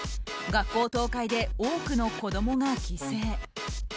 学校倒壊で多くの子供が犠牲。